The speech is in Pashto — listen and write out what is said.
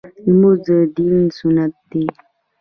لمونځ د دین ستون دی